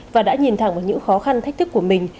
và đã nhìn thẳng vào những khó khăn thách thức của mình